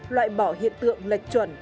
loại bỏ hiện tượng lệch chuẩn